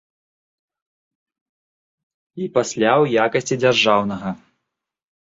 І пасля ў якасці дзяржаўнага.